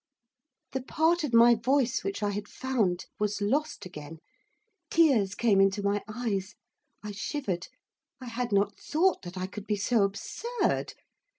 The part of my voice which I had found, was lost again. Tears came into my eyes. I shivered. I had not thought that I could be so absurd.